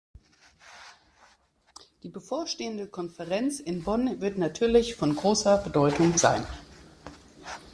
Die bevorstehende Konferenz in Bonn wird natürlich von großer Bedeutung sein.